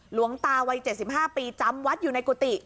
หลวงตาวัย๗๕ปีจำวัดอยู่ในกุฏิ